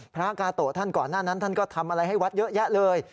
พระกาโตะท่านก่อนหน้านั้นท่านก็ทำอะไรให้วัดเยอะแยะเลย